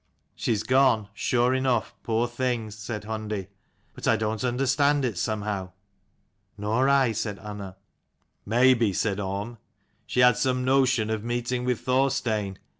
" She's gone, sure enough, poor thing," said Hundi :" but I dont understand it, somehow." " Nor I," said Unna, 197 " Maybe," said Orm, " she had some notion of meeting with Thorstein.